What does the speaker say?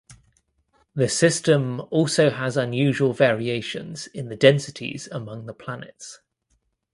The system also has unusual variations in the densities among the planets.